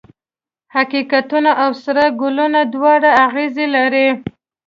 حقیقتونه او سره ګلونه دواړه اغزي لري.